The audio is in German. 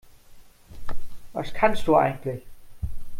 Was kannst du eigentlich?